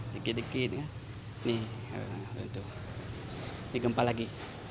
dikit dikit ya ini gempa lagi